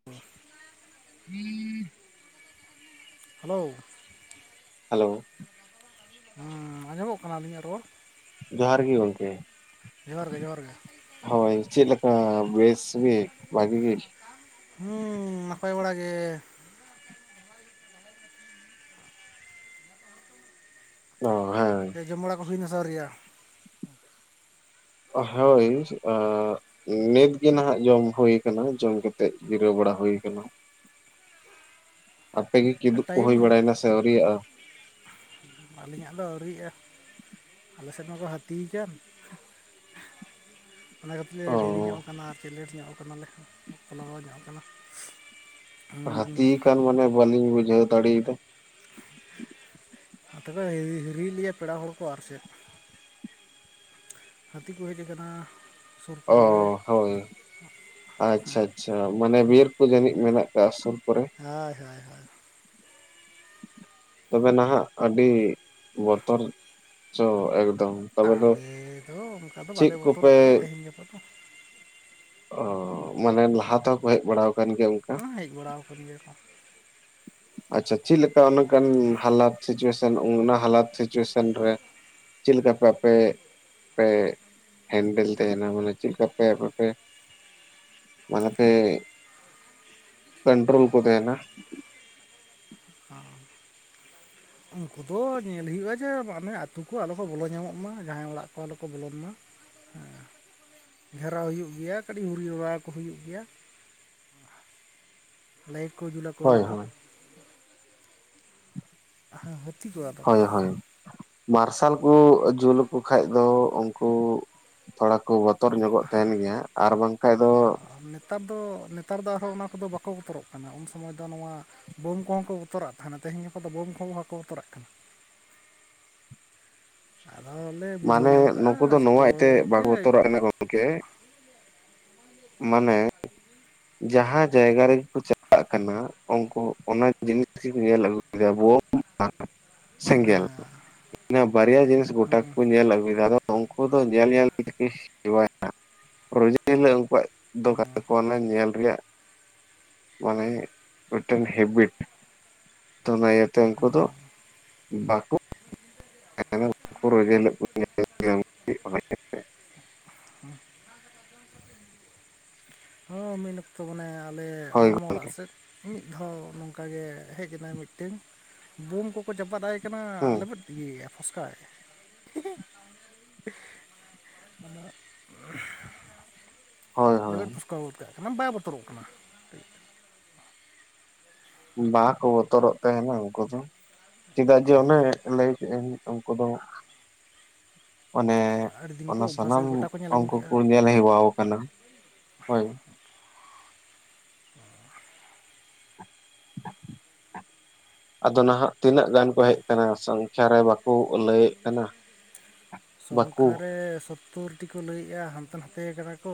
[unintelligible] [unintelligible] Hello. Hello. ᱦᱮᱸᱻ ᱟᱸᱡᱚᱢᱚᱜ ᱠᱟᱱᱟ ᱟᱹᱞᱤᱧᱟᱜ ᱨᱚᱲ? ᱡᱚᱦᱟᱨ ᱜᱤ ᱜᱚᱢᱠᱮ ᱾ ᱡᱚᱦᱟᱨ ᱜᱮ ᱡᱚᱦᱟᱨ ᱜᱮ ᱾ ᱦᱳᱭ ᱪᱮᱫ ᱞᱮᱠᱟ, ᱵᱮᱥ ᱜᱤ ᱵᱷᱟᱜᱤ ᱜᱤ ᱾ ᱦᱩᱸ ᱱᱟᱯᱟᱭ ᱵᱟᱲᱟ ᱜᱮ ᱾ ᱚ ᱦᱮᱸ ᱾ ᱡᱚᱢ ᱵᱟᱲᱟ ᱠᱚ ᱦᱩᱭ ᱱᱟᱥᱮ ᱟᱣᱨᱤᱭᱟ? ᱦᱳᱭ, ᱚᱜ [unintelligible] ᱱᱤᱛ ᱜᱮ ᱱᱟᱦᱟᱜ ᱡᱚᱢ ᱦᱩᱭ ᱟᱠᱟᱱᱟ, ᱡᱚᱢ ᱠᱟᱛᱮᱜ ᱡᱤᱨᱟᱹᱣ ᱵᱟᱲᱟ ᱦᱩᱭ ᱠᱟᱱᱟ ᱾ ᱟᱯᱮ ᱜᱤ ᱟᱨ ᱠᱤᱫᱩᱵ ᱠᱚ ᱴᱟᱭᱤᱢ ᱦᱳᱭ ᱵᱟᱲᱟᱭ ᱱᱟ ᱥᱮ ᱟᱹᱣᱨᱤᱭᱟᱜᱼᱟ? ᱟᱹᱞᱤᱧᱟᱜ ᱫᱚ ᱟᱹᱣᱨᱤᱭᱟᱜᱼᱟ ᱾ ᱟᱞᱮ ᱥᱮᱫ ᱢᱟᱠᱚ ᱦᱟᱹᱛᱤᱠᱟᱱ, ᱚᱱᱟ ᱠᱷᱟᱹᱛᱤᱨ ᱞᱮ ᱚ ᱫᱮᱨᱤ ᱧᱚᱜᱼᱼ ᱚᱱᱟ ᱟᱨᱠᱤ ᱞᱮᱴ ᱧᱚᱜ ᱠᱟᱱᱟᱞᱮ, ᱞᱟᱜᱟᱣ ᱧᱚᱜ ᱠᱟᱱᱟ ᱾ ᱦᱟᱹᱛᱤ ᱟᱠᱟᱱ ᱢᱟᱱᱮ ᱵᱟᱹᱞᱤᱧ ᱵᱩᱡᱷᱟᱹᱣ ᱫᱟᱲᱮ ᱭᱟᱫᱟ ᱾ ᱱᱚᱛᱮ ᱠᱚ ᱦᱤᱨᱤᱭᱮᱜ ᱞᱮᱭᱟ ᱯᱮᱲᱟ ᱦᱚᱲ ᱠᱚ ᱟᱨ ᱪᱮᱫ ᱾ ᱦᱟᱹᱛᱤ ᱠᱚ ᱦᱮᱡ ᱟᱠᱟᱱᱟ ᱾ ᱚ ᱦᱳᱭ, ᱟᱪᱪᱷᱟ ᱟᱪᱪᱷᱟ ᱢᱟᱱᱮ ᱵᱤᱨᱼᱼ ᱠᱚ ᱡᱟᱹᱱᱤᱡ ᱢᱮᱱᱟᱜ ᱠᱟᱜᱼᱟ ᱥᱩᱨ ᱠᱚᱨᱮ? ᱦᱳᱭ ᱦᱳᱭ ᱦᱳᱭ ᱾ ᱛᱚᱵᱮ ᱱᱟᱦᱟᱜ ᱟᱹᱰᱤ ᱵᱚᱛᱚᱨ ᱪᱚ ᱮᱠᱫᱚᱢ ᱾ ᱟᱞᱮ ᱫᱚ ᱚᱱᱠᱟ ᱫᱚ ᱵᱟᱞᱮ ᱵᱚᱛᱚᱨᱚᱜ ᱠᱚᱯᱮ ᱜᱮᱭᱟ ᱛᱮᱦᱮᱧ ᱜᱟᱯᱟ ᱫᱚ ᱾ ᱚ ᱢᱟᱱᱮ ᱞᱟᱦᱟ ᱛᱮᱦᱚᱸ ᱠᱚ ᱦᱮᱡ ᱵᱟᱲᱟᱣ ᱠᱟᱱ ᱜᱮᱭᱟ ᱾ ᱦᱮᱸ ᱦᱮᱡ ᱵᱟᱲᱟᱣ ᱠᱟᱱ ᱜᱮᱭᱟ ᱠᱚ ᱾ ᱟᱪᱪᱷᱟ ᱪᱮᱫ ᱞᱮᱠᱟ ᱚᱱᱠᱟᱱ ᱦᱟᱞᱟᱚᱛ ᱥᱤᱪᱩᱭᱮᱥᱚᱱ ᱚᱱᱟ ᱦᱟᱞᱟᱛ ᱥᱤᱪᱩᱭᱮᱥᱚᱱ ᱨᱮ? ᱪᱮᱫ ᱞᱮᱠᱟ ᱯᱮ ᱟᱯᱮᱼᱼ ᱯᱮ ᱦᱮᱱᱰᱮᱞ ᱛᱟᱦᱮᱱᱟ ᱢᱟᱱᱮ ᱪᱮᱫᱠᱟᱯᱮ ᱟᱯᱮᱼᱼ ᱢᱟᱱᱮ ᱯᱮ ᱠᱚᱱᱴᱨᱳᱞ ᱠᱚ ᱛᱟᱦᱮᱱᱟ ᱦᱟᱸ ᱩᱱᱠᱩ ᱫᱚ ᱧᱮᱞ ᱦᱩᱭᱩᱜᱼᱟ ᱡᱮ ᱢᱟᱱᱮ ᱟᱹᱛᱩ ᱠᱚ ᱟᱞᱚ ᱠᱚ ᱵᱚᱞᱚ ᱧᱟᱢᱚᱜ ᱢᱟ ᱡᱟᱦᱟᱸᱭ ᱚᱲᱟᱜ ᱠᱚ ᱟᱞᱚ ᱠᱚ ᱵᱚᱞᱚᱱ ᱢᱟ ᱪᱮᱫ ᱦᱚᱸ ᱵᱟᱝ ᱟᱸᱡᱚᱢᱚᱜ ᱠᱟᱱᱟ ᱜᱷᱟᱨᱟᱣ ᱦᱩᱭᱩᱜ ᱜᱮᱭᱟ ᱠᱟᱹᱴᱤᱡ ᱩᱨᱤᱭᱟᱹᱣ ᱵᱟᱲᱟ ᱠᱚ ᱦᱩᱭᱩᱜ ᱜᱮᱭᱟ᱾ ᱪᱮᱫ ᱦᱚᱸ ᱵᱟᱝ ᱟᱸᱡᱚᱢᱚᱜ ᱠᱟᱱᱟ ᱞᱟᱭᱤᱴ ᱠᱚ ᱡᱩᱞ ᱟᱠᱚ ᱦᱩᱭᱩᱜᱼᱟ᱾ ᱦᱟᱹ-ᱦᱟᱹᱛᱤ ᱠᱚ ᱟᱫᱚ ᱦᱳᱭ-ᱦᱳᱭ ᱢᱟᱨᱥᱟᱞ ᱠᱚ ᱡᱩᱞ ᱟᱠᱚ ᱠᱷᱟᱱ ᱫᱚ ᱩᱱᱠᱩ ᱛᱷᱚᱲᱟ ᱠᱚ ᱵᱚᱛᱚᱨ ᱧᱚᱜᱚᱜ ᱛᱟᱦᱮᱱ ᱜᱮᱭᱟ ᱟᱨ ᱵᱟᱝ ᱱᱮᱛᱟᱨ ᱫᱚ-ᱱᱮᱛᱟᱨ ᱫᱚ ᱟᱨᱦᱚᱸ ᱚᱱᱟ ᱠᱚᱫᱚ ᱵᱟᱠᱚ ᱵᱚᱛᱚᱨᱚᱜ ᱠᱟᱱᱟ ᱩᱱ ᱥᱚᱢᱚᱭ ᱫᱚ ᱱᱚᱣᱟ ᱵᱳᱢ ᱠᱚᱦᱚᱸ ᱠᱚ ᱵᱚᱛᱚᱨᱟᱜ ᱛᱟᱦᱮᱱᱟ ᱛᱮᱦᱧ ᱜᱟᱯᱟ ᱫᱚ ᱵᱳᱢ ᱠᱚᱦᱚᱸ ᱵᱟᱠᱚ ᱵᱚᱛᱚᱨᱟᱜ ᱠᱟᱱᱟ ᱟᱫᱚ ᱟᱞᱮ ᱢᱟᱱᱮ ᱱᱩᱠᱩ ᱫᱚ ᱱᱚᱣᱟ ᱛᱮ ᱵᱟᱠᱚ ᱦᱮᱸ ᱵᱚᱛᱚᱨᱚᱜ ᱮᱱᱟ ᱜᱚᱢᱠᱮ ᱢᱟᱱᱮ ᱡᱟᱦᱟᱸ ᱡᱟᱭᱜᱟ ᱨᱮᱜᱮ ᱠᱚ ᱪᱟᱞᱟᱜ ᱪᱟᱞᱟᱜ ᱠᱟᱱᱟ ᱩᱱᱠᱩ ᱚᱱᱟ ᱡᱤᱱᱤᱥ ᱜᱮᱠᱚ ᱧᱮᱞ ᱟᱹᱜᱩ ᱠᱮᱫᱟ ᱵᱳᱢ ᱟᱨ ᱥᱮᱸᱜᱮᱞ ᱤᱱᱟ ᱵᱟᱨᱭᱟ ᱡᱤᱱᱤᱥ ᱜᱳᱴᱟ ᱧᱮᱞ ᱟᱹᱜᱩᱭ ᱫᱟ ᱟᱫᱚ ᱩᱱᱠᱩ ᱫᱚ ᱧᱮᱞ- ᱧᱮᱞ ᱛᱮᱠᱚ ᱦᱮᱣᱭᱟᱭ ᱱᱟ ᱨᱚᱡᱮ ᱦᱤᱞᱚᱜ ᱩᱱᱠᱩᱣᱟᱜ ᱫᱚᱠᱚ ᱚᱱᱟ ᱧᱮᱞ ᱨᱮᱭᱟᱜ ᱢᱟᱱᱮ ᱢᱮᱴᱟᱝ ᱦᱮᱵᱤᱴ ᱛᱚᱵᱮ ᱩᱱᱠᱩ ᱫᱚ ᱵᱟᱠᱚ ᱦᱮᱸ ᱦᱚᱸᱢᱤᱫ ᱚᱠᱛᱚ ᱢᱟᱱᱮ ᱟᱞᱮ ᱦᱳᱭ ᱢᱟᱢᱚ ᱚᱲᱟᱜ ᱜᱚᱝᱠᱮ ᱥᱮᱫ ᱢᱤᱫ ᱫᱷᱟᱣ ᱱᱚᱝᱠᱟ ᱜᱮ ᱦᱮᱡ ᱮᱱᱟᱭ ᱢᱤᱫᱴᱮᱱ ᱵᱳᱢ ᱠᱚᱠᱚ ᱪᱟᱯᱟᱫ ᱟᱭ ᱠᱟᱱᱟ ᱦᱮᱸ ᱞᱮᱵᱮᱫ ᱤᱭᱟᱹ ᱯᱚᱥᱠᱟᱭ ᱦᱳᱭ ᱦᱳᱭ ᱞᱮᱵᱮᱫ ᱯᱷᱚᱥᱠᱟ ᱜᱚᱫ ᱠᱟᱱᱟ ᱵᱟᱭ ᱵᱚᱛᱚᱨᱚᱜ ᱠᱟᱱᱟ᱾ ᱵᱟᱠᱚ ᱵᱚᱛᱚᱨᱚᱜ ᱛᱟᱦᱮᱱᱟ ᱩᱱᱠᱩ ᱫᱚ ᱪᱮᱫᱟᱜ ᱡᱮ ᱚᱱᱮ ᱞᱟᱹᱭ ᱠᱮᱫᱟᱹᱧ ᱩᱱᱠᱩ ᱫᱚ ᱚᱱᱮ ᱟᱹᱰᱤ ᱫᱤᱱ ᱠᱚ ᱚᱱᱟ ᱚᱵᱵᱷᱟᱥ ᱥᱟᱱᱟᱢ ᱜᱚᱴᱟ ᱠᱚ ᱧᱮᱞ ᱟᱹᱜᱩ ᱩᱱᱠᱩ ᱠᱚ ᱠᱮᱜᱼᱟ ᱧᱮᱞ ᱦᱮᱣᱟᱣ ᱠᱟᱱᱟ ᱦᱳᱭ ᱵᱟᱝ ᱟᱸᱡᱚᱢᱚᱜ ᱠᱟᱱᱟ ᱟᱫᱚ ᱱᱟᱦᱟᱜ ᱛᱤᱱᱟᱹᱜ ᱜᱟᱱ ᱠᱚ ᱦᱮᱡ ᱟᱠᱟᱱᱟ ᱥᱚᱝᱠᱷᱟ ᱨᱮ ᱵᱟᱠᱚ ᱞᱟᱹᱭᱮᱫ ᱠᱟᱱᱟ? ᱥᱚᱝᱠᱷᱟ ᱵᱟᱠᱚ ᱨᱮ ᱥᱳᱛᱛᱚᱨᱴᱤ ᱠᱚ ᱞᱟᱹᱭᱮᱜᱼᱟ ᱦᱟᱱᱛᱮ-ᱱᱟᱛᱮ ᱠᱟᱱᱟ ᱠᱚ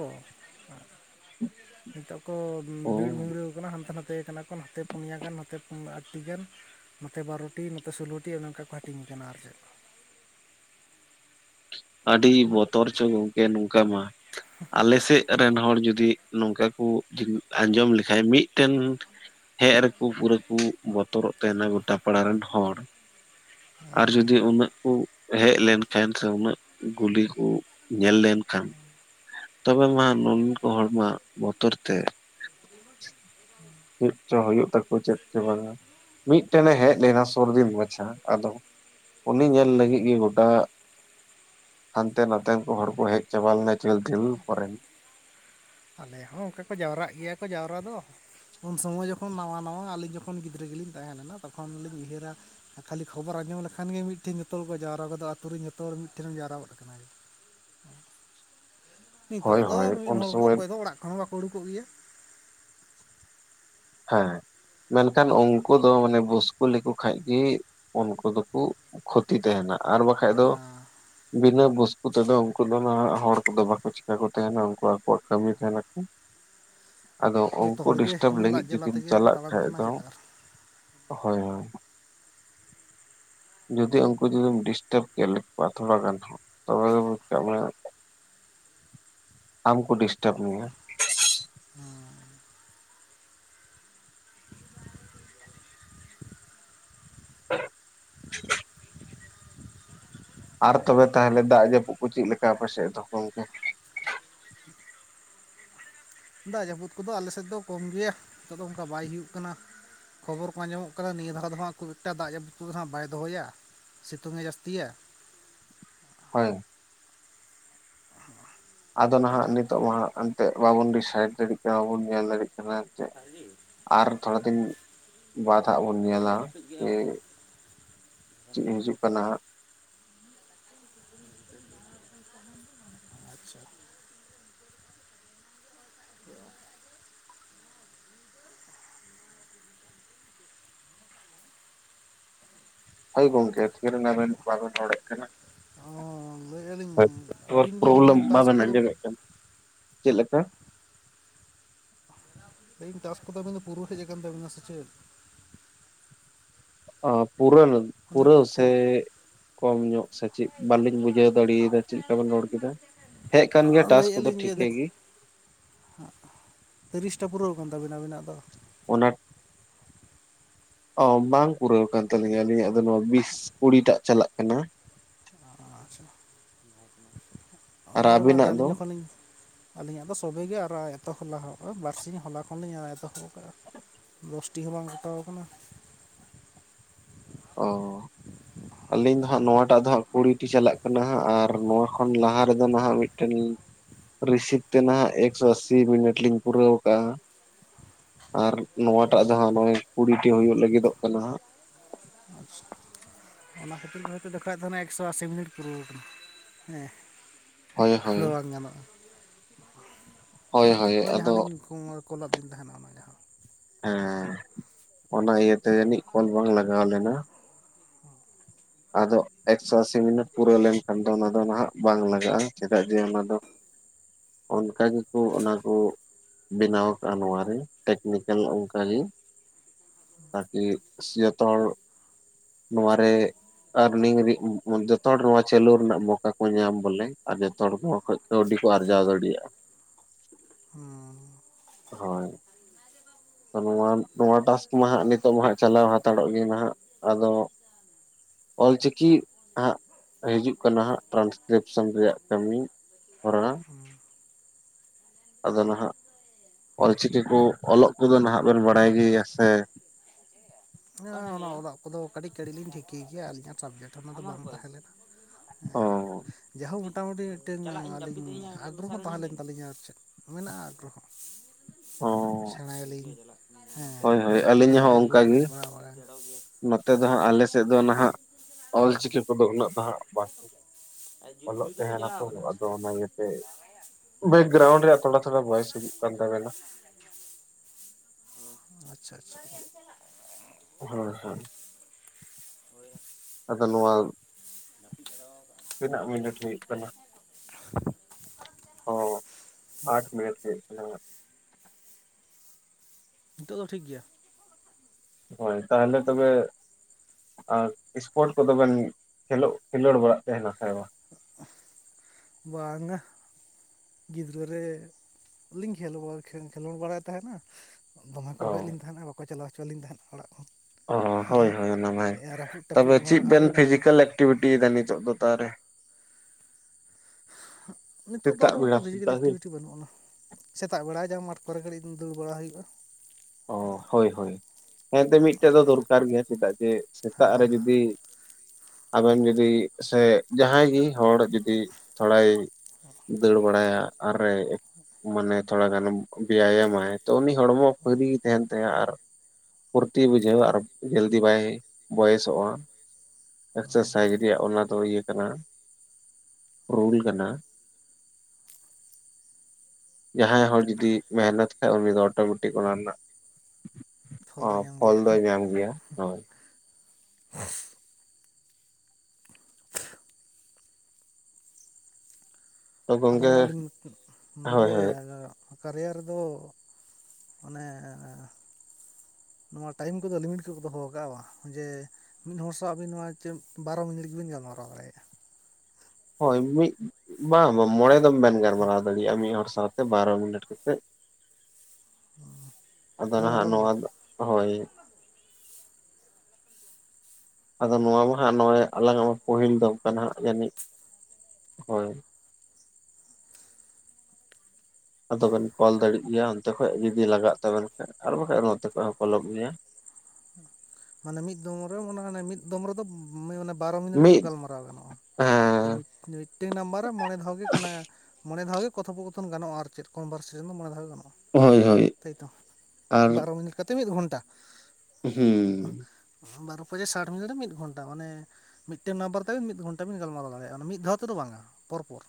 ᱱᱤᱛᱚᱜ ᱠᱚ ᱵᱷᱤᱲ ᱵᱷᱩᱝᱲᱟᱹᱣ ᱠᱟᱱᱟ ᱦᱟᱱᱛᱮ-ᱱᱟᱛᱮ ᱠᱟᱱᱟ ᱠᱚ ᱱᱟᱛᱮ ᱯᱩᱱᱭᱟ ᱜᱟᱱ ᱱᱚᱛᱮ ᱟᱴᱴᱤ ᱜᱟᱱ ᱱᱚᱛᱮ ᱵᱟᱨᱚᱴᱤ ᱱᱚᱛᱮ ᱥᱳᱞᱳᱴᱞᱴᱤ ᱚᱱᱮ ᱚᱱᱠᱟ ᱠᱚ ᱦᱟᱹᱴᱤᱧ ᱟᱠᱟᱱᱟ ᱟᱨ ᱪᱮᱫ ᱟᱹᱰᱤ ᱵᱚᱛᱚᱨ ᱪᱚ ᱜᱚᱢᱠᱮ ᱱᱚᱝᱠᱟ ᱢᱟ ᱟᱞᱮ ᱥᱮᱫ ᱨᱮᱱ ᱦᱚᱲ ᱡᱩᱫᱤ ᱱᱚᱝᱠᱟ ᱠᱚ ᱟᱸᱡᱚᱢ ᱞᱮᱠᱷᱟᱱᱡ ᱢᱤᱫᱴᱮᱱ ᱦᱮᱡ ᱨᱮᱠᱚ ᱯᱩᱨᱟᱹ ᱠᱚ ᱵᱚᱛᱚᱨᱚᱜ ᱛᱟᱦᱮᱱᱟ ᱜᱚᱴᱟ ᱯᱟᱲᱟ ᱨᱮᱱ ᱦᱚᱲ ᱟᱨ ᱡᱩᱫᱤ ᱩᱱᱟᱹᱜ ᱠᱩ ᱦᱮᱡ ᱞᱮᱱᱠᱷᱟᱱ ᱥᱮ ᱩᱱᱟᱹᱜ ᱜᱩᱞᱤ ᱠᱚ ᱧᱮᱞ ᱞᱮᱱ ᱞᱮᱱ ᱠᱷᱟᱱ ᱛᱚᱵᱮ ᱢᱟ ᱱᱩᱱᱠᱩ ᱦᱚᱲᱢᱟ ᱵᱚᱛᱚᱨ ᱛᱮ ᱪᱮᱫ ᱪᱚ ᱦᱩᱭᱩᱜ ᱛᱟᱠᱚ ᱪᱮᱫ ᱪᱚ ᱵᱟᱝᱟ ᱢᱤᱫᱴᱮᱱᱮ ᱦᱮᱡ ᱞᱮᱱᱟ ᱥᱩᱨᱫᱤᱱ ᱢᱟᱪᱷᱟ ᱟᱫᱚ ᱩᱱᱤ ᱧᱮᱞ ᱞᱟᱹᱜᱤᱫ ᱜᱮ ᱜᱚᱴᱟ ᱦᱟᱱᱛᱮ ᱱᱟᱛᱮᱱ ᱠᱚ ᱦᱚᱲ ᱠᱚ ᱦᱮᱡ ᱪᱟᱵᱟ ᱞᱮᱱᱟ ᱡᱷᱟᱹᱞ-ᱡᱷᱟᱹᱞ ᱠᱚᱨᱮᱱ ᱟᱞᱮ ᱦᱚᱸ ᱚᱱᱠᱟ ᱠᱚ ᱡᱟᱣᱨᱟᱜ ᱜᱮᱭᱟ ᱠᱚ ᱡᱟᱣᱨᱟ ᱫᱚ ᱩᱱ ᱥᱚᱢᱚᱭ ᱡᱚᱠᱷᱚᱱ ᱱᱟᱣᱟ ᱱᱟᱣᱟ ᱟᱹᱞᱤᱧ ᱡᱚᱠᱷᱚᱱ ᱜᱤᱫᱽᱨᱟᱹ ᱜᱮᱞᱤᱧ ᱛᱟᱦᱮᱸ ᱞᱮᱱᱟ ᱛᱚᱠᱷᱚᱱ ᱞᱤᱧ ᱩᱭᱦᱟᱹᱨᱟ ᱠᱷᱟᱹᱞᱤ ᱠᱷᱚᱵᱚᱨ ᱟᱸᱡᱚᱢ ᱞᱮᱠᱷᱟᱱ ᱜᱮ ᱢᱤᱫᱴᱷᱮᱱ ᱡᱚᱛᱚ ᱜᱮ ᱠᱚ ᱡᱟᱣᱨᱟ ᱜᱚᱫᱼᱟ ᱟᱛᱳ ᱨᱮᱱ ᱡᱷᱚᱛᱚ ᱦᱚᱲ ᱢᱤᱫᱴᱷᱮᱢ ᱡᱟᱣᱨᱟ ᱜᱟᱜ ᱠᱟᱱᱟ ᱱᱤᱛᱚᱜ ᱦᱳᱭ ᱫᱚ ᱦᱳᱭ ᱢᱤᱫ ᱩᱱ ᱦᱚᱲ ᱫᱚ ᱥᱚᱢᱚᱭ ᱚᱠᱚᱭ ᱫᱚ ᱚᱲᱟᱜ ᱠᱷᱚᱱ ᱦᱚᱸ ᱵᱟᱠᱚ ᱩᱰᱩᱠᱚᱜ ᱜᱮᱭᱟ᱾ ᱦᱮᱸ ᱢᱮᱱ ᱠᱷᱟᱱ ᱩᱱᱠᱩ ᱫᱚ ᱢᱟᱱᱮ ᱵᱩᱥ- [unintelligible] ᱞᱮᱠᱚ ᱠᱷᱟᱱ ᱜᱮ ᱩᱱᱠᱩ ᱫᱚᱠᱚ ᱠᱷᱚᱛᱤ ᱛᱟᱦᱮᱱᱟ ᱟᱨ ᱵᱟᱠᱷᱟᱡ ᱫᱚ᱾ ᱵᱤᱱᱟᱹ ᱵᱚᱥᱛᱩ ᱛᱮᱫᱚ ᱩᱱᱠᱩ ᱫᱚ ᱱᱟᱜ ᱦᱚᱲ ᱠᱚᱫᱚ ᱵᱟᱠᱚ ᱪᱤᱠᱟ ᱠᱚ ᱛᱟᱦᱮᱱᱟ, ᱩᱱᱠᱩ ᱟᱠᱚᱣᱟᱜ ᱠᱟᱹᱢᱤ ᱛᱟᱦᱮᱱᱟ ᱠᱚ᱾ ᱟᱫᱚ ᱡᱚᱛᱚ ᱩᱱᱠᱩ ᱦᱚᱲᱜᱮ ᱰᱤᱥᱴᱟᱵᱽ ᱤᱱᱟᱹ ᱞᱟᱹᱜᱤᱫ ᱞᱟᱡ ᱡᱟᱞᱟ ᱡᱩᱫᱤᱢ ᱛᱮᱜᱮ ᱠᱚ ᱪᱟᱞᱟᱜ ᱫᱟᱬᱟᱱ ᱠᱷᱟᱡ ᱠᱟᱱᱟ ᱫᱚ᱾ ᱪᱮᱫ ᱟᱨ ᱦᱳᱭ ᱦᱳᱭ ᱡᱩᱫᱤ ᱩᱱᱠᱩ ᱡᱩᱫᱤᱢ ᱰᱤᱥᱴᱟᱵ ᱠᱮᱭᱟ ᱞᱮᱣᱟ ᱛᱷᱚᱲᱟ ᱜᱟᱱ ᱦᱟᱸ᱾ ᱢᱮᱭᱟ ᱰᱤᱥᱴᱟᱨᱵ ᱢᱮᱭᱟ᱾ [inaudible] ᱟᱨ ᱛᱚᱵᱮ ᱛᱟᱦᱚᱞᱮ ᱫᱟᱜ ᱡᱟᱹᱯᱩᱫ ᱠᱚ ᱪᱮᱫ ᱞᱮᱠᱟ ᱟᱯᱮ ᱥᱮᱫ ᱫᱚ ᱜᱚᱢᱠᱮ᱾ ᱫᱟᱜ ᱡᱟᱹᱯᱩᱫ ᱠᱚᱫᱚ ᱟᱞᱮ ᱥᱮᱫ ᱫᱚ ᱠᱚᱢ ᱜᱮᱭᱟ, ᱱᱤᱛᱚᱜ ᱫᱚ ᱚᱱᱠᱟ ᱵᱟᱭ ᱦᱩᱭᱩᱜ ᱠᱟᱱᱟ᱾ ᱠᱷᱚᱵᱚᱨ ᱠᱚ ᱟᱸᱡᱚᱢᱚᱜ ᱠᱟᱱᱟ, ᱱᱤᱭᱟᱹ ᱫᱷᱟᱣ ᱫᱚ ᱦᱟᱸᱜ ᱠᱷᱩᱵ ᱮᱠᱴᱟ ᱫᱟᱜ ᱡᱟᱹᱯᱩᱫ ᱠᱚ ᱫᱚ ᱦᱟᱸᱜ ᱵᱟᱭ ᱫᱚᱦᱚᱭᱟ᱾ ᱥᱤᱛᱩᱝ ᱮ ᱡᱟᱹᱥᱛᱤ ᱭᱟ᱾ ᱦᱳᱭ ᱟᱫᱚ ᱱᱟᱦᱟᱜ ᱱᱤᱛᱚᱜ ᱢᱟ ᱦᱟᱜ ᱮᱱᱛᱮ ᱵᱟᱵᱚᱱ ᱰᱤᱥᱟᱭᱤᱰ ᱫᱟᱲᱮᱜ ᱠᱟᱱᱟ, ᱵᱟᱵᱚᱱ ᱧᱮᱞ ᱫᱟᱲᱮᱜ ᱠᱟᱱᱟ᱾ ᱪᱮᱫ [unintelligible] ᱟᱨ ᱛᱷᱚᱲᱟ ᱫᱤᱱ ᱵᱟᱫ ᱦᱟᱸᱜ ᱵᱚᱱ ᱧᱮᱞᱟ [unintelligible] ᱪᱮᱫ ᱤᱧ ᱦᱤᱡᱩᱜ ᱠᱟᱱᱟ ᱦᱟᱸᱜ? ᱟᱪᱪᱷᱟ ᱦᱟᱭ ᱜᱚᱢᱠᱮ ᱛᱷᱤᱨ ᱮᱱᱟ ᱵᱤᱱ? ᱵᱟᱵᱤᱱ ᱨᱚᱲᱮᱫ ᱠᱟᱱᱟ ᱚ ᱞᱟᱹᱭᱮᱫᱼᱟ ᱦᱳᱭ ᱞᱤᱧ ᱜᱚᱢᱠᱮ᱾ ᱴᱟᱣᱟᱨ ᱟᱹᱵᱤᱱ ᱫᱚ ᱯᱨᱚᱵᱨᱞᱮᱢ ᱢᱟᱱᱮ ᱴᱟᱥᱠ ᱵᱟᱵᱤᱱ ᱠᱚᱫᱚ ᱟᱸᱡᱚᱢᱮᱫ ᱠᱷᱟᱱ? ᱪᱮᱫ ᱞᱮᱠᱟ᱾ ᱤᱧ ᱞᱟᱹᱭ ᱮᱫᱟ, ᱴᱟᱥ ᱠᱚ ᱫᱚ ᱛᱟᱵᱤᱱ ᱯᱩᱨᱟᱹᱣ ᱦᱮᱡ ᱟᱠᱟᱱ ᱛᱟᱹᱵᱤᱱᱟ ᱥᱮ ᱪᱮᱫ? ᱚ ᱯᱩᱨᱟᱱ ᱚᱱᱮ ᱯᱩᱨᱟᱹᱣ ᱠᱚ ᱥᱮᱼᱼ ᱠᱚᱢ ᱧᱚᱜ ᱥᱮ ᱪᱮᱫ? ᱵᱟᱹᱞᱤᱧ ᱵᱩᱡᱷᱟᱹᱣ ᱫᱟᱲᱮᱭᱟᱫᱟ ᱪᱮᱫ ᱞᱮᱠᱟ ᱵᱮᱱ ᱨᱚᱲ ᱠᱮᱫᱟ? ᱦᱮᱡ ᱟᱠᱟᱱ ᱜᱮᱭᱟ ᱴᱟᱥ ᱞᱟᱹᱭᱮᱫᱼᱟ ᱠᱚᱫᱚ ᱞᱤᱧ ᱴᱷᱤᱠᱮ ᱡᱮ ᱜᱮ᱾ [inaudible] ᱛᱤᱨᱤᱥᱴᱟ ᱯᱩᱨᱟᱹᱣ ᱠᱟᱱ ᱛᱟᱵᱤᱱᱟ ᱟᱵᱤᱱᱟᱜ ᱫᱚ? ᱚᱱᱟᱼᱼ ᱚ ᱵᱟᱝ ᱯᱩᱨᱟᱹᱣ ᱠᱟᱱ ᱛᱟᱹᱞᱤᱧᱟ ᱟᱹᱞᱤᱧᱟᱜ ᱫᱚ ᱱᱚᱣᱟ ᱵᱤᱥ ᱠᱩᱲᱤ ᱴᱟᱜ ᱪᱟᱞᱟᱜ ᱠᱟᱱᱟ᱾ ᱟᱪᱪᱷᱟ ᱟᱨ ᱱᱚᱰᱮ ᱢᱟ ᱟᱫᱚ ᱟᱵᱤᱱᱟᱜ ᱫᱚ ᱟᱹᱞᱤᱧ ᱡᱚᱠᱷᱚᱱ ᱞᱤᱧ ᱟᱹᱞᱤᱧᱟᱜ ᱫᱚ ᱥᱚᱵᱮ ᱜᱮ ᱟᱨ ᱮᱛᱚᱦ ᱞᱟᱦᱟᱣᱼᱟ ᱵᱟᱨᱥᱤ ᱦᱚᱞᱟ ᱠᱷᱚᱱᱞᱤᱧ ᱟᱨ ᱮᱛᱚᱦᱚ ᱟᱠᱟᱜᱼᱟ᱾ ᱫᱚᱥᱴᱤ ᱦᱚᱸ ᱵᱟᱝ ᱠᱟᱴᱟᱣ ᱟᱠᱟᱱᱟ᱾ ᱚ [inaudible] ᱟᱹᱞᱤᱧ ᱫᱚ ᱦᱟᱸᱜ ᱱᱚᱣᱟᱴᱟᱜ ᱫᱚ ᱦᱟᱸᱜ ᱠᱩᱲᱤᱴᱤ ᱪᱟᱞᱟᱜ ᱠᱟᱱᱟ ᱦᱟᱸᱜ ᱟᱨ ᱱᱚᱣᱟ ᱠᱷᱚᱱ ᱞᱟᱦᱟ ᱨᱮᱫᱚ ᱱᱟᱦᱟᱜ ᱢᱤᱫᱴᱮᱱᱼᱼ ᱨᱤᱥᱤᱵᱷ ᱛᱮ ᱱᱟᱦᱟᱜ ᱮᱠᱥᱚ ᱟᱥᱤ ᱢᱤᱱᱤᱴ ᱞᱤᱧ ᱯᱩᱨᱟᱹᱣ ᱟᱠᱟᱫᱼᱟ᱾ ᱟᱨ ᱱᱚᱣᱟᱴᱟᱜ ᱫᱚ ᱦᱟᱸᱜ ᱱᱚᱜᱚᱭ ᱠᱩᱲᱤᱴᱤ ᱦᱩᱭᱩᱜ ᱞᱟᱹᱜᱤᱫᱚᱜ ᱠᱟᱱᱟ ᱦᱟᱸᱜ᱾ ᱟᱪᱪᱷᱟ ᱚᱱᱟ ᱠᱷᱟᱹᱛᱤᱨ ᱜᱮᱛᱚ ᱫᱮᱠᱷᱟᱣ ᱮᱫ ᱛᱟᱦᱮᱱᱟ, ᱮᱠᱥᱚ ᱟᱥᱤ ᱢᱤᱱᱤᱴ ᱯᱩᱨᱟᱹᱣ ᱟᱠᱟᱱᱟ ᱦᱮᱸ᱾ ᱦᱳᱭ ᱦᱳᱭ [unintelligible] ᱵᱟᱝ ᱜᱟᱱᱚᱜᱼᱟ᱾ ᱦᱳᱭ ᱦᱳᱭ ᱡᱟᱦᱟᱸ ᱟᱫᱚ ᱞᱤᱧ ᱠᱚᱞᱟᱫ ᱵᱤᱱ ᱛᱟᱦᱮᱱᱟ ᱚᱱᱟ [unintelligible] ᱦᱮᱸ ᱚᱱᱟ ᱤᱭᱟᱹ ᱛᱮ ᱡᱟᱹᱱᱤᱡ ᱠᱚᱞ ᱵᱟᱝ ᱞᱟᱜᱟᱣ ᱞᱮᱱᱟ᱾ ᱟᱫᱚ ᱮᱠᱥᱚ ᱟᱥᱤ ᱢᱤᱱᱤᱴ ᱯᱩᱨᱟᱹᱣ ᱞᱮᱱ ᱠᱷᱟᱱ ᱫᱚ ᱚᱱᱟ ᱫᱚ ᱱᱟᱦᱟᱜ ᱵᱟᱝ ᱞᱟᱜᱟᱜᱼᱟ ᱪᱮᱫᱟᱜ ᱡᱮ ᱚᱱᱟ ᱫᱚᱼᱼ ᱚᱱᱠᱟ ᱜᱮᱠᱚ ᱚᱱᱟ ᱠᱚᱼᱼ ᱵᱮᱱᱟᱣ ᱟᱠᱟᱜᱼᱟ ᱱᱚᱣᱟ ᱨᱮ ᱴᱮᱠᱱᱤᱠᱮᱞ ᱚᱸᱠᱟ ᱜᱮ᱾ ᱛᱟ ᱠᱤᱜ ᱥᱤᱭᱼᱮ ᱡᱚᱛᱚ ᱦᱚᱲ ᱱᱚᱣᱟ ᱨᱮᱜ ᱟᱨ ᱱᱤᱝ ᱦᱟᱹᱵᱤᱡ ᱩᱸ ᱡᱚᱛᱚ ᱦᱚᱲ ᱨᱚᱦᱚᱭ ᱪᱟᱹᱞᱩ ᱨᱮᱱᱟᱜ ᱢᱚᱠᱟ ᱠᱚ ᱧᱟᱢ ᱵᱚᱞᱮ ᱟᱨ ᱡᱚᱛᱚ ᱦᱚᱲ ᱱᱚᱣᱟ ᱠᱷᱚᱡ ᱠᱟᱹᱣᱰᱤ ᱠᱚ ᱟᱨᱡᱟᱣ ᱫᱟᱹᱲᱤᱭᱟᱜᱼᱟ᱾ ᱦᱩᱸ, ᱦᱩᱸ ᱾ ᱦᱳᱭ᱾ ᱚ ᱱᱚᱣᱟ, ᱱᱚᱣᱟ ᱴᱟᱥᱠ ᱢᱟ ᱦᱟᱸᱜ ᱱᱤᱛᱚᱜ ᱢᱟ ᱦᱟᱸᱜ ᱪᱟᱞᱟᱣ ᱦᱟᱸᱛᱟᱲᱚᱜ ᱜᱮᱭᱟ ᱱᱷᱟᱸᱜ, ᱟᱫᱚ ᱚᱞᱪᱤᱠᱤᱜ ᱦᱟᱸᱜ ᱦᱤᱡᱩᱜ ᱠᱟᱱᱟ ᱦᱟᱸᱜ ᱴᱨᱟᱸᱥᱠᱨᱤᱯᱥᱚᱱ ᱨᱮᱭᱟᱜ ᱠᱟᱹᱢᱤ᱾ ᱠᱚ ᱨᱚᱲᱟ᱾ ᱟᱫᱚ ᱱᱷᱟᱸᱜ ᱚᱞᱪᱤᱠᱤ ᱠᱚ ᱚᱞᱚᱜ ᱠᱚᱫᱚ ᱱᱷᱟᱸᱜ ᱵᱮᱱ ᱵᱟᱰᱟᱭ ᱜᱮ ᱭᱟ ᱥᱮ? ᱟᱸ ᱚᱱᱟ ᱚᱞᱚᱜ ᱠᱚᱫᱚ ᱠᱟᱹᱴᱤᱡ ᱠᱟᱹᱴᱤᱡ ᱞᱤᱧ ᱴᱷᱤᱼᱠᱟᱹᱭ ᱜᱮᱭᱟ, ᱟᱹᱞᱤᱧᱟᱜ ᱥᱟᱵᱽᱡᱮᱠᱴ ᱦᱚᱸ ᱚᱱᱟ ᱫᱚ ᱵᱟᱝ ᱛᱟᱦᱮᱸ ᱞᱮᱱᱟ? ᱚ ᱦᱮᱸ, ᱡᱟ ᱦᱩ ᱢᱚᱴᱟᱢᱩᱴᱤ ᱴᱮᱡ ᱢᱮᱱᱟᱜᱼᱟ, ᱚᱱᱟ ᱞᱤᱧ ᱟᱜᱽᱨᱚ ᱦᱚᱸ ᱛᱟᱦᱮᱸ ᱞᱮᱱ ᱛᱟᱞᱤᱧᱟ ᱟᱨ ᱪᱮᱫ? ᱢᱮᱱᱟᱜᱼᱟ ᱟᱜᱽᱨᱚ ᱦᱚ᱾ ᱚ ᱥᱮᱬᱟ ᱭᱟᱞᱤᱧ ᱦᱮᱸ ᱦᱳᱭ ᱦᱳᱭ ᱢᱤᱫᱴᱟᱹᱝ ᱟᱹᱞᱤᱧ ᱦᱚᱸ ᱵᱟᱨᱭᱟ ᱵᱳᱭ ᱚᱱᱠᱟ ᱜᱮ ᱠᱚᱞᱤᱧ ᱯᱟᱲᱦᱟᱣ ᱵᱟᱲᱟᱭᱟ᱾ ᱱᱚᱛᱮ ᱫᱚ ᱦᱟᱸᱜ ᱟᱞᱮ ᱥᱮᱫ ᱫᱚ ᱱᱷᱟᱸᱜ ᱚᱞᱪᱤᱠᱤ ᱠᱚᱫᱚ ᱩᱱᱟᱹᱜ ᱫᱚ ᱦᱟᱸᱜ ᱵᱟᱠᱚ ᱚᱞᱚᱜ ᱛᱟᱦᱮᱸᱱᱟ ᱛᱚ, ᱟᱫᱚ ᱚᱱᱟ ᱜᱮ ᱦᱮᱼᱮᱜ ᱵᱮᱜᱽᱨᱟᱩᱸᱰ ᱨᱮᱭᱟᱜ ᱛᱷᱚᱲᱟ ᱼ ᱛᱷᱚᱲᱟ ᱵᱷᱚᱭᱮᱥ ᱦᱤᱡᱩᱜ ᱠᱟᱱ ᱛᱟᱵᱮᱱᱟ ᱾ ᱟᱪᱪᱷᱟ ᱟᱪᱪᱷᱟ, ᱛᱟᱞᱮᱜ᱾ ᱦᱚᱭ ᱦᱚᱭ᱾ ᱦᱚᱭᱮ, ᱟᱫᱚ ᱱᱚᱣᱟ ᱡᱷᱟᱲᱟᱣᱟᱠᱟᱜᱼᱟ, ᱛᱤᱱᱟᱹᱜ ᱢᱤᱱᱳᱴ ᱦᱩᱭᱩᱜ ᱠᱟᱱᱟ? ᱦᱚᱸ ᱟᱴ ᱢᱤᱱᱤᱴ ᱦᱩᱭᱩᱜ ᱠᱟᱱᱟ ᱱᱷᱟᱸᱜ ᱾ ᱱᱤᱛᱚᱜ ᱫᱚ ᱴᱷᱤᱠ ᱜᱮᱭᱟᱺ ᱦᱳᱭ, ᱛᱟᱦᱮᱞᱮ ᱛᱚᱵᱮ ᱟᱨ ᱮᱥᱯᱳᱴ ᱠᱚᱫᱚ ᱵᱮᱱ ᱠᱷᱮᱞᱳᱜ, ᱠᱷᱮᱞᱳᱰ ᱵᱟᱲᱟᱜ ᱛᱟᱦᱮᱸᱱᱟ ᱥᱮ ᱵᱟᱝ? ᱵᱟᱝᱟᱦ ᱾ ᱜᱤᱫᱽᱨᱟᱹ ᱨᱮ ᱞᱤᱧ ᱠᱷᱮᱞ ᱵᱚᱲᱚ ᱠᱷᱮᱝ ᱠᱷᱮᱞᱳᱲ ᱵᱟᱲᱟᱭ ᱛᱟᱦᱮᱸᱱᱟ ᱾ ᱫᱚᱢᱮ ᱠᱚ ᱚ ᱨᱚᱦᱮᱫ ᱞᱤᱧ ᱛᱟᱦᱮᱸᱱᱟ ᱵᱟᱠᱚ ᱪᱟᱞᱟᱣ ᱦᱚᱪᱚ ᱣᱟᱹᱞᱤᱧ ᱛᱟᱦᱮᱸᱫ ᱚᱲᱟᱜ ᱠᱚ᱾ ᱚᱦ ᱦᱳᱭ ᱦᱳᱭ ᱚᱱᱟ ᱢᱟᱭ, ᱴᱟᱹᱯᱩᱫ ᱛᱚᱵᱮ ᱪᱮᱫ ᱮᱢᱟᱱᱟᱜ ᱵᱮᱱ ᱦᱩᱭᱱᱟ ᱟᱨᱦᱚᱸ ᱯᱷᱮᱡᱤᱠᱮᱞ ᱮᱠᱴᱤᱵᱤᱴᱤᱭᱮᱫᱟ ᱱᱤᱛᱚᱜ ᱫᱚ ᱛᱟᱦ ᱨᱮ? ᱦᱚᱸᱜ, ᱱᱤᱛᱚᱜ ᱫᱚ ᱥᱮᱛᱟᱜ ᱟᱫᱚ ᱚᱸᱠᱟ ᱵᱮᱲᱟ ᱵᱷᱤᱡᱤᱠᱮᱞ ᱥᱮᱛᱟᱜ ᱨᱮ ᱮᱠᱴᱤᱵᱷᱤᱴᱤ ᱵᱟᱹᱱᱩᱜ ᱟᱱᱟ ᱾ ᱥᱮᱛᱟᱜ ᱵᱮᱲᱟ ᱡᱟ ᱢᱟᱰ ᱠᱚᱨᱮ ᱠᱟᱹᱲᱤᱡ ᱤᱧ ᱫᱟᱹᱲ ᱵᱟᱲᱟ ᱦᱩᱭᱩᱜᱼᱟ᱾ ᱚᱻ ᱦᱳᱭ ᱦᱳᱭ, ᱦᱮᱸ ᱛᱚ ᱢᱤᱫᱴᱟᱹᱜ ᱫᱚ ᱫᱚᱨᱠᱟᱨ ᱜᱮᱭᱟ ᱾ ᱪᱮᱫᱟᱜ ᱡᱮ ᱦᱮᱸ ᱥᱮᱛᱟᱜ ᱨᱮ ᱦᱮᱸ ᱡᱩᱫᱤ ᱟᱵᱮᱱ ᱡᱩᱫᱤ ᱥᱮ ᱡᱟᱦᱟᱸᱭ ᱜᱤ ᱦᱚᱲ ᱡᱩᱫᱤ ᱛᱷᱚᱲᱟᱭ ᱫᱟᱹᱲ ᱵᱟᱲᱟᱭᱟ ᱟᱨᱮ ᱢᱟᱱᱮ ᱛᱷᱚᱲᱟ ᱜᱟᱱᱼᱵ ᱵᱮᱭᱟᱭᱟᱢ ᱟᱭ ᱛᱚ ᱩᱱᱤ ᱦᱚᱲᱢᱚ ᱯᱟᱹᱨᱤ ᱛᱟᱦᱮᱱ ᱛᱟᱭᱟ ᱟᱨ ᱯᱩᱨᱛᱤ ᱵᱩᱡᱷᱟᱹᱣᱟ ᱟᱨ ᱡᱟᱹᱞᱫᱤ ᱵᱟᱭ ᱵᱚᱭᱮᱥᱚᱜᱼᱟ ᱾ ᱮᱠᱥᱟᱨᱥᱟᱹᱭᱤᱡᱽ ᱨᱮᱭᱟᱜ ᱚᱱᱟ ᱫᱚ ᱤᱭᱟᱹ ᱠᱟᱱᱟ ᱯᱟᱹᱣᱲᱤ ᱠᱟᱱᱟ ᱾ ᱡᱟᱦᱟᱸᱭ ᱦᱚᱲ ᱡᱩᱫᱤ ᱢᱮᱦᱱᱚᱛ ᱠᱟᱜᱼᱟᱭ ᱩᱱᱤ ᱫᱚ ᱚᱴᱚᱢᱤ- ᱴᱤᱜ ᱚᱱᱟ ᱨᱮᱱᱟᱜ ᱫᱚ ᱚᱸ ᱧᱟᱢ ᱯᱷᱚᱞ ᱜᱮᱭᱟ ᱫᱚᱭ ᱧᱟᱢ ᱜᱮᱭᱟ, ᱦᱚᱭ᱾ ᱛᱚ ᱟᱫᱚ ᱜᱚᱝᱠᱮ ᱱᱚᱣᱟ ᱞᱤᱢᱤᱴ ᱩᱸᱜ, ᱦᱳᱭ ᱢᱤᱨᱫᱟᱹᱭᱟᱹ ᱦᱳᱭ ᱟᱸᱡᱚᱢᱚᱜ᱾ ᱚᱦᱚ ᱠᱟᱨᱭᱟ ᱨᱮᱫᱚ ᱚᱱᱮ ᱱᱚᱣᱟ ᱴᱟᱭᱤᱢ ᱠᱚᱫᱚ ᱞᱤᱢᱤᱴ ᱜᱮᱠᱚ ᱫᱚᱦᱚ ᱠᱟᱫᱟ ᱵᱟᱝ ᱡᱮ ᱢᱤᱫ ᱦᱚᱲ ᱥᱟᱶ ᱟᱹᱵᱤᱱ ᱱᱚᱣᱟ ᱵᱟᱨᱚ ᱢᱤᱱᱤᱴ ᱜᱮᱵᱤᱱ ᱜᱟᱞᱢᱟᱨᱟᱣ ᱫᱟᱲᱮᱭᱟᱜᱼᱟ ᱾ ᱦᱳᱭ ᱢᱤᱫ ᱵᱟᱝ ᱵᱟᱝ ᱢᱚᱬᱮ ᱫᱚᱢ ᱵᱮᱱ ᱜᱟᱞᱢᱟᱨᱟᱣ ᱫᱟᱲᱮᱭᱟᱜᱼᱟ ᱢᱤᱫ ᱦᱚᱲ ᱥᱟᱶᱛᱮ ᱾ ᱵᱟᱨᱚ ᱢᱤᱱᱤᱴ ᱠᱟᱛᱮ ᱟᱫᱚ ᱢᱚᱬᱮ ᱱᱟᱦᱟᱸᱜ ᱫᱚᱢ ᱱᱚᱣᱟ ᱵᱟᱝ ᱫᱚ ᱦᱳᱭ ᱾ ᱟᱫᱚ ᱱᱚᱣᱟ ᱢᱟ ᱦᱟᱸᱜ ᱱᱚᱜᱼᱚᱭ ᱟᱞᱟᱝᱼᱟᱜ ᱢᱟ ᱯᱟᱹᱦᱤᱞ ᱫᱚ ᱠᱟᱱᱟ ᱦᱟᱸᱜ ᱡᱟᱹᱱᱤᱡ ᱦᱳᱭ᱾ ᱟᱫᱚᱵᱮᱱ ᱠᱚᱞ ᱫᱟᱲᱮᱜ ᱜᱮᱭᱟ ᱚᱱᱛᱮ ᱠᱷᱚᱡ ᱡᱩᱫᱤ ᱞᱟᱜᱟᱜ ᱛᱟᱵᱮᱱ ᱠᱷᱟᱡ ᱟᱨ ᱵᱟᱠᱷᱟᱱ ᱱᱚᱛᱮ ᱠᱷᱚᱡ ᱦᱚᱸ ᱠᱚᱞᱚᱜ ᱜᱮᱭᱟ ᱾ ᱢᱟᱱᱮ ᱢᱤᱫ ᱫᱚᱢ ᱨᱮ ᱢᱟᱱᱮ ᱢᱤᱫ ᱫᱚᱢ ᱨᱮᱫᱚ ᱢᱟᱱᱮ ᱵᱟᱨᱚ ᱢᱤᱱᱤᱴ ᱜᱮ ᱢᱤᱫ ᱜᱟᱞᱢᱟᱨᱟᱣ ᱜᱟᱱᱚᱜᱼᱟ, ᱡᱮ ᱦᱮᱸ ᱢᱤᱫᱴᱮᱱ ᱱᱟᱢᱵᱟᱨ ᱨᱮ ᱢᱚᱬᱮ ᱫᱷᱟᱣ ᱜᱮ ᱠᱟᱱᱟ ᱢᱚᱬᱮ ᱫᱷᱟᱣ ᱜᱮ ᱠᱚᱛᱷᱚᱯᱚᱠᱚᱛᱷᱚᱱ ᱜᱟᱱᱚᱜᱼᱟ ᱟᱨ ᱪᱮᱫ ᱠᱚᱱᱵᱷᱟᱨᱥᱮᱥᱚᱱ ᱢᱚᱬᱮᱫᱷᱟᱣ ᱜᱟᱱᱚᱜᱼᱟ ᱦᱳᱭ ᱦᱳᱭ ᱾ ᱛᱟᱭᱛᱚ ᱟᱨ ᱵᱟᱨᱚ ᱢᱤᱱᱤᱴ ᱠᱟᱛᱮ ᱢᱤᱫ ᱜᱷᱚᱱᱴᱟ ᱾ ᱦᱩᱸ᱾ ᱵᱟᱨᱚ ᱯᱟᱪᱮ ᱥᱟᱴ ᱢᱤᱱᱤᱴ ᱨᱮ ᱢᱤᱫ ᱜᱷᱚᱱᱴᱟ, ᱢᱟᱱᱮ ᱢᱤᱫᱴᱮᱱ ᱱᱟᱢᱵᱟᱨ ᱛᱮ ᱢᱤᱫ ᱜᱷᱚᱱᱴᱟ ᱵᱤᱱ ᱜᱟᱞᱢᱟᱨᱟᱣ ᱫᱟᱲᱮᱭᱟᱜᱼᱟ ᱚᱱᱟ ᱢᱤᱫ ᱫᱷᱟᱣ ᱛᱮᱫᱚ ᱵᱟᱝᱟ ᱯᱚᱨᱯᱚᱨ᱾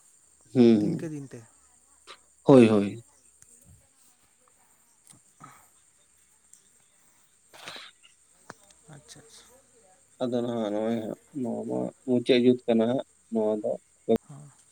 ᱦᱩᱸ ᱫᱤᱱᱠᱮ ᱫᱤᱱᱛᱮ᱾ ᱦᱳᱭ ᱦᱳᱭ᱾ ᱟᱪᱪᱷᱟ ᱟᱪᱪᱷᱟ᱾ ᱟᱫᱚ ᱱᱟᱦᱟᱸᱜ ᱱᱚᱜᱼᱚᱭ ᱱᱚᱣᱟ ᱫᱚ ᱢᱩᱪᱟᱹᱫ ᱡᱩᱜ ᱠᱟᱱᱟ ᱱᱚᱣᱟ ᱫᱚ᱾ ᱦᱚᱸ᱾